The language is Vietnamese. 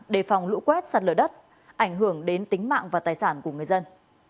đề phòng lũ quét sạt lở đất ảnh hưởng đến tính mạng và tài sản của người dân